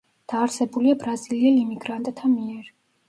დაარსებულია ბრაზილიელ იმიგრანტთა მიერ.